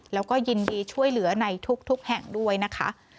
แล้วก็ยินดีช่วยเหลือในทุกแห่งด้วยนะคะ